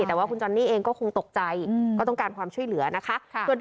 แต่ว่าคุณจอนนี่เองก็คงตกใจก็ต้องการความช่วยเหลือนะคะ